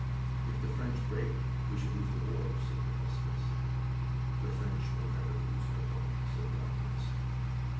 "If the French break we shall lose the war," said the pessimist. "The French will never lose Verdun," said the optimist.